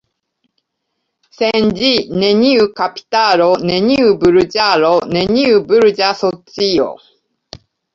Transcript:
Sen ĝi, neniu kapitalo, neniu burĝaro, neniu burĝa socio.